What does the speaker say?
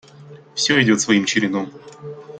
Все идет своим чередом.